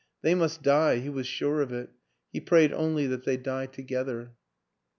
They must die, he was sure of it; he prayed only that they die together.